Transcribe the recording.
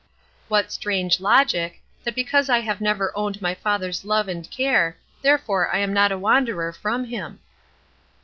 What strange logic, that because I have never owned my Father's love and care, therefore I am not a wanderer from him!